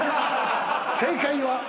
正解は。